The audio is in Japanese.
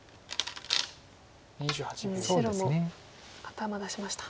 白も頭出しました。